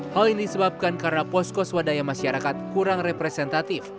hal ini disebabkan karena posko swadaya masyarakat kurang representatif